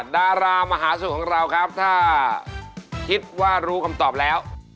ดารามหาสนุกของเราครับถ้าคิดว่ารู้คำตอบแล้ว